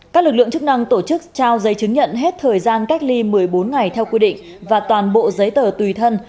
các lực lượng chức năng tổ chức trao giấy chứng nhận hết thời gian cách ly một mươi bốn ngày theo quy định và toàn bộ giấy tờ tùy thân